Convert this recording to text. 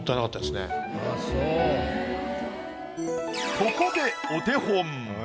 ここでお手本。